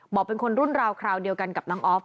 บอกเป็นคนรุ่นราวคราวเดียวกันกับน้องออฟ